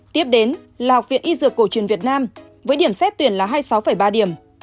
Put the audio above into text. tiếp đến là học viện y dược cổ truyền việt nam với điểm xét tuyển là hai mươi sáu ba điểm